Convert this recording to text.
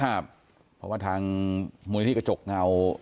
ครับเพราะว่าทางมูลนี้กระจกเงา